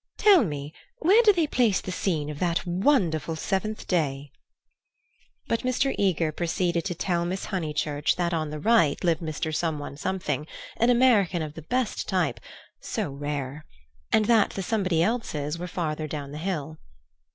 "Tell me, where do they place the scene of that wonderful seventh day?" But Mr. Eager proceeded to tell Miss Honeychurch that on the right lived Mr. Someone Something, an American of the best type—so rare!—and that the Somebody Elses were farther down the hill.